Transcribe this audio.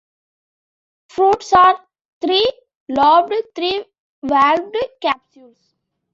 Fruits are three-lobed, three-valved capsules.